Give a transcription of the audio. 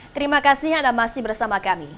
terima kasih anda masih bersama kami